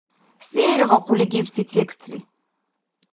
Се иргъахъули гибси текстли?